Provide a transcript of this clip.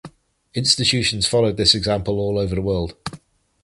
Institutions followed this example all over the world.